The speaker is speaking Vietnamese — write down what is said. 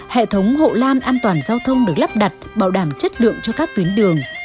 hệ thống hộ lan an toàn giao thông được lắp đặt bảo đảm chất lượng cho các tuyến đường